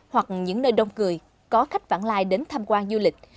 hoặc những nơi đông người có khách vãn lai đến tham quan du lịch